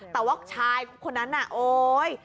แต่ว่าชายคนนั้นน่ะโอ๊ย